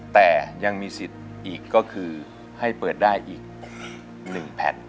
แต่ยังมีสิทธิ์อีกก็คือให้เปิดได้อีก๑แผ่น